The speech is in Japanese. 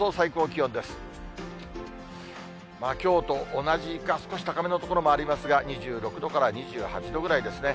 きょうと同じか、少し高めの所もありますが、２６度から２８度ぐらいですね。